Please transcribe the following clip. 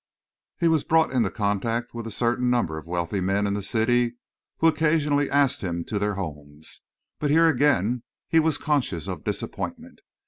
He was brought into contact with a certain number of wealthy men in the city, who occasionally asked him to their homes, but here again he was conscious of disappointment.